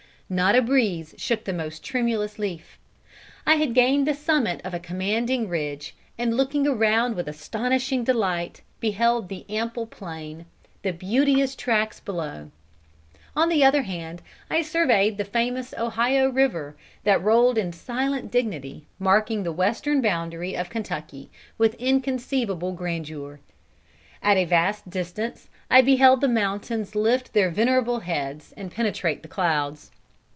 Not a breeze shook the most tremulous leaf. I had gained the summit of a commanding ridge, and looking around with astonishing delight beheld the ample plain, the beauteous tracts below. On the other hand I surveyed the famous river Ohio, that rolled in silent dignity, marking the western boundary of Kentucky, with inconceivable grandeur. At a vast distance I beheld the mountains lift their venerable heads and penetrate the clouds.